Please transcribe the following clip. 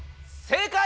正解！